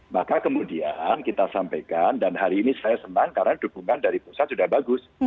maka kemudian kita sampaikan dan hari ini saya senang karena dukungan dari pusat sudah bagus